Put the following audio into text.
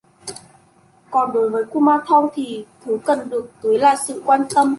còn đối với kumanthong thì thứ cần được tưới là sự quan tâm